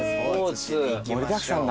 盛りだくさんだ。